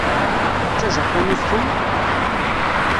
D tajapunit kemm?